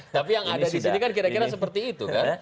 tapi yang ada disini kira kira seperti itu kan